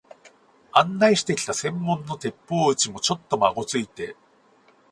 案内してきた専門の鉄砲打ちも、ちょっとまごついて、